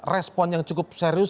respon yang cukup serius